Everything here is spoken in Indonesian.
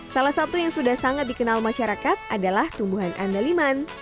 salah satu yang sudah sangat dikenal masyarakat adalah tumbuhan andaliman